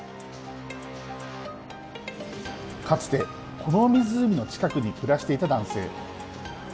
かつてこの湖の近くに暮らしていた男性。